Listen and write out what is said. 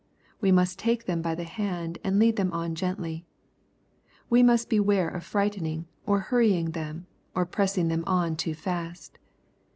We must take them by the hand and lead them on gently. We must beware of frightening, or hurrying them, or pressing them on too fast.